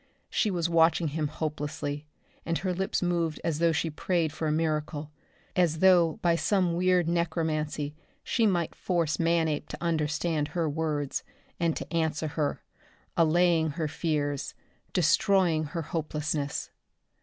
She was watching him hopelessly, and her lips moved as though she prayed for a miracle as though by some weird necromancy she might force Manape to understand her words, and to answer her, allaying her fears, destroying her hopelessness.